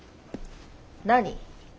何？